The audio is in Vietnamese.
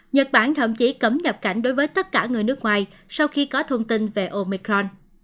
nhật bản thậm chí cấm nhập cảnh đối với tất cả người nước ngoài sau khi có thông tin về omicron